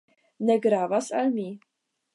Ne gravas al mi."